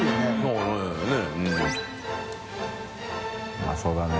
うまそうだね。